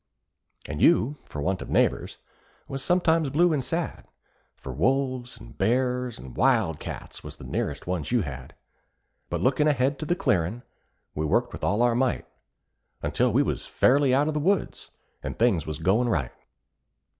And you, for want of neighbors, was sometimes blue and sad, For wolves and bears and wild cats was the nearest ones you had; But lookin' ahead to the clearin', we worked with all our might, Until we was fairly out of the woods, and things was goin' right.